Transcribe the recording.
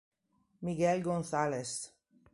Miguel González